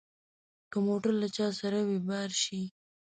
که موټر له چا سره وي بار شي.